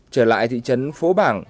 trở lại thị trấn phố bảng